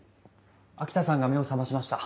秋田さんが目を覚ましました。